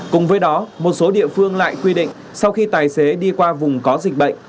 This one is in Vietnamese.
cùng với đó một số địa phương lại quy định sau khi tài xế đi qua vùng có dịch bệnh